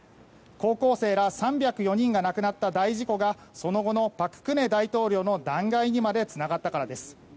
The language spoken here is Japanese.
高校生ら３０４人が亡くなった大事故がその後の朴槿惠大統領の弾劾にまでつながったからです。